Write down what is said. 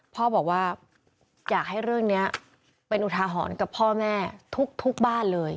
พ่อบอกว่าอยากให้เรื่องนี้เป็นอุทาหรณ์กับพ่อแม่ทุกบ้านเลย